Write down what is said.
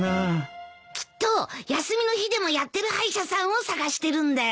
きっと休みの日でもやってる歯医者さんを探してるんだよ。